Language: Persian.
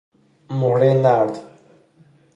مهرهٔ نرد